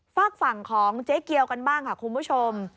ฝากฝั่งของเจ๊เกียวกันบ้างค่ะคุณผู้ชม